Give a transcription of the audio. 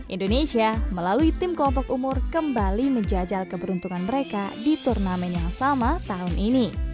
indonesia melalui tim kelompok umur kembali menjajal keberuntungan mereka di turnamen yang sama tahun ini